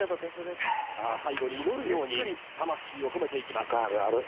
最後に祈るように魂を込めていきます。